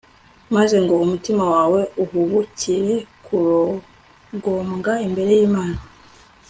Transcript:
maze ngo umutima wawe uhubukire kurogombwa imbere y'imana